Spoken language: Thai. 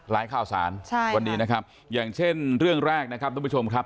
ข่าวสารใช่วันนี้นะครับอย่างเช่นเรื่องแรกนะครับทุกผู้ชมครับ